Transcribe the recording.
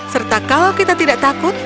serta kalau kita tidak takut